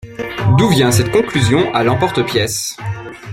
D’où vient cette conclusion à l’emporte-pièce ?